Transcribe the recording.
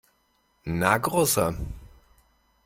Na, Großer!